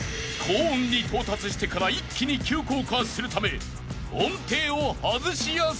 ［高音に到達してから一気に急降下するため音程を外しやすい］